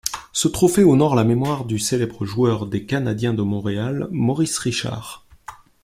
Ce trophée honore la mémoire du célèbre joueur des Canadiens de Montréal, Maurice Richard.